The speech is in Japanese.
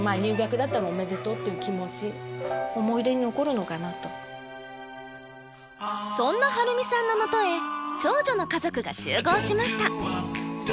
入学だったらそんな晴美さんのもとへ長女の家族が集合しました。